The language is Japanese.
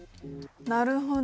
なるほど。